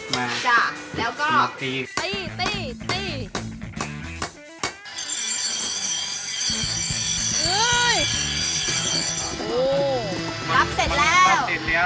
ลับเสร็จแล้ว